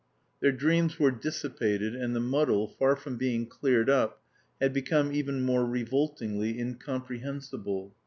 Their dreams were dissipated, and the muddle, far from being cleared up, had become even more revoltingly incomprehensible.